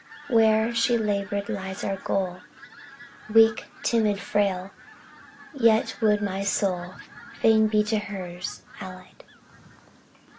where she labored lies our goal: Weak, timid, frail, yet would my soul Fain be to hers allied.